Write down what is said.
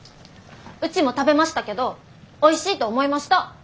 うちも食べましたけどおいしいと思いました。